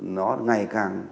nó ngày càng